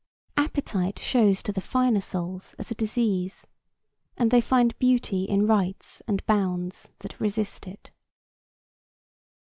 Appetite shows to the finer souls as a disease, and they find beauty in rites and bounds that resist it.